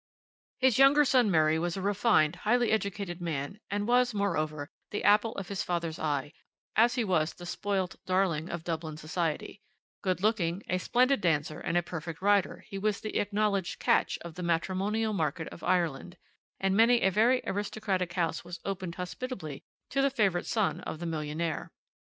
"His younger son Murray was a refined, highly educated man, and was, moreover, the apple of his father's eye, as he was the spoilt darling of Dublin society; good looking, a splendid dancer, and a perfect rider, he was the acknowledged 'catch' of the matrimonial market of Ireland, and many a very aristocratic house was opened hospitably to the favourite son of the millionaire.